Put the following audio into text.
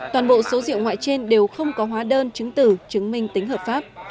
toàn bộ số rượu ngoại trên đều không có hóa đơn chứng tử chứng minh tính hợp pháp